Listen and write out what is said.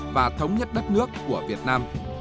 và thống nhất đất nước của việt nam